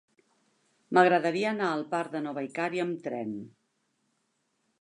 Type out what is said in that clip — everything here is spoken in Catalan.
M'agradaria anar al parc de Nova Icària amb tren.